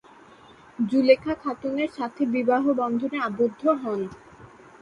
জুলেখা খাতুনের সাথে বিবাহ বন্ধনে আবদ্ধ হন।